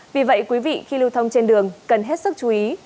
vì vậy quý vị khi lưu thông trên đường cần hết sức chú ý